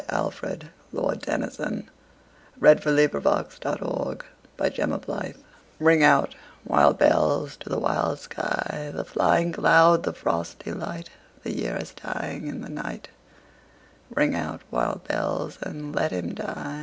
Alfred, Lord Tennyson Ring Out, Wild Bells RING out, wild bells, to the wild sky, The flying cloud, the frosty light; The year is dying in the night; Ring out, wild bells, and let him die.